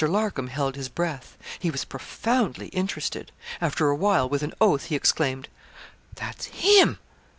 Larcom held his breath. He was profoundly interested. After a while, with an oath, he exclaimed 'That's _him!